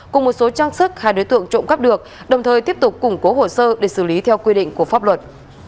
cùng một số trang sức hai đối tượng trộm cắp được đồng thời tiếp tục củng cố hồ sơ để xử lý theo quy định của pháp luật